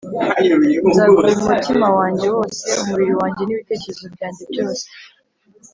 Nzaguha umutima wanjye wose, umubiri wanjye n’ibitekerezo byanjye byose